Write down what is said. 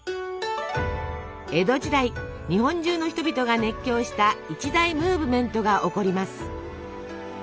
江戸時代日本中の人々が熱狂した一大ムーブメントが起こります。